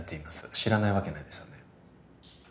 知らないわけないですよね？